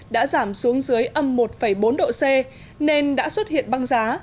đã giảm xuống dưới âm một bốn độ c nên đã xuất hiện băng giá